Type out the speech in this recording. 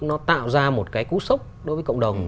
nó tạo ra một cái cú sốc đối với cộng đồng